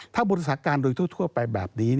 ถ้าบริษัทการโดยทั่วไปแบบนี้